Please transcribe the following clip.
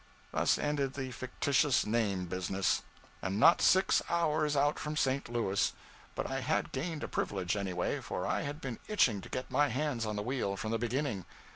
Thus ended the fictitious name business. And not six hours out from St. Louis! but I had gained a privilege, any way, for I had been itching to get my hands on the wheel, from the beginning.